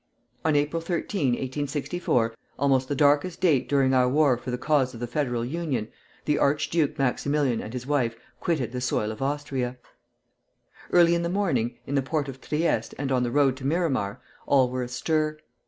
On April 13, 1864, almost the darkest date during our war for the cause of the Federal Union, the Archduke Maximilian and his wife quitted the soil of Austria. Early in the morning, in the port of Trieste and on the road to Miramar, all were astir.